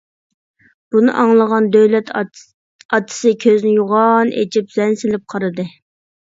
بۇنى ئاڭلىغان دۆلەت ئاتىسى كۆزىنى يوغان ئېچىپ زەن سېلىپ قارىدى.